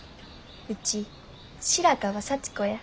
ウチ白川幸子や。